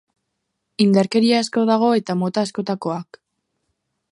Indarkeria asko dago eta mota askotakoak.